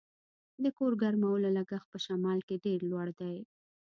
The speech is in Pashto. د کور ګرمولو لګښت په شمال کې ډیر لوړ دی